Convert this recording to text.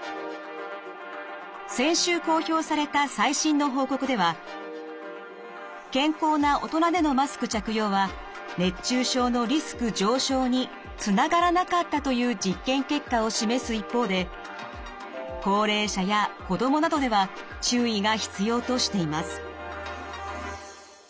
先週公表された最新の報告では健康な大人でのマスク着用は熱中症のリスク上昇につながらなかったという実験結果を示す一方で高齢者や子どもなどでは注意が必要としています。